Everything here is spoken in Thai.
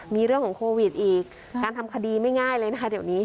มีเรื่องของโควิดอีกการทำคดีไม่ง่ายเลยนะคะเดี๋ยวนี้